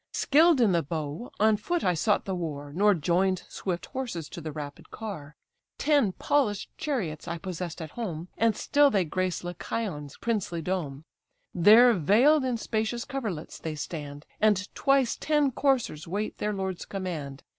Skill'd in the bow, on foot I sought the war, Nor join'd swift horses to the rapid car. Ten polish'd chariots I possess'd at home, And still they grace Lycaon's princely dome: There veil'd in spacious coverlets they stand; And twice ten coursers wait their lord's command.